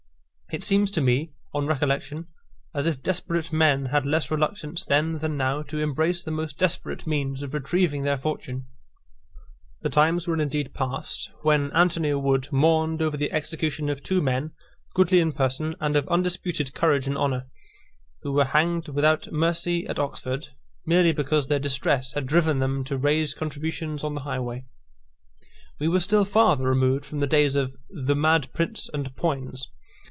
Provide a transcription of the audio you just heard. It seems to me, on recollection, as if desperate men had less reluctance then than now to embrace the most desperate means of retrieving their fortune. The times were indeed past, when Anthony a Wood mourned over the execution of two men, goodly in person, and of undisputed courage and honour, who were hanged without mercy at Oxford, merely because their distress had driven them to raise contributions on the highway. We were still farther removed from the days of "the mad Prince and Poins."